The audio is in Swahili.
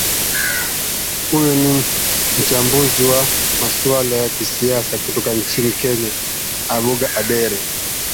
huyo ni mchambuzi wa masuala ya kisiasa kutoka nchini kenya amboga andere